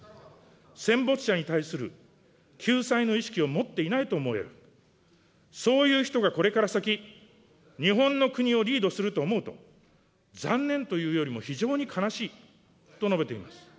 戦没者に対する救済の意識を持っていないと思える、そういう人がこれから先、日本の国をリードすると思うと、残念というよりも非常に悲しいと述べています。